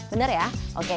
benar ya oke